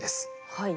はい。